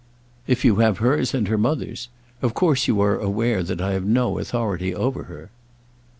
"If you have hers and her mother's. Of course you are aware that I have no authority over her."